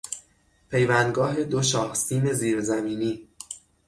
پیوندگاه دو شاهسیم زیرزمینی